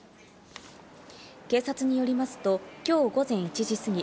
警察によりますと、きょう午前１時過ぎ、